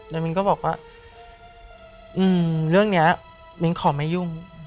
แล้วมิ้นก็บอกว่าเรื่องนี้มิ้นขอไม่ยุ่ง